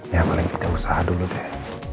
ya paling kita usaha dulu deh